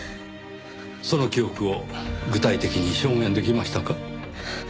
その記憶を具体的に証言できましたか？